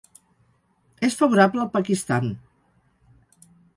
És favorable al Pakistan.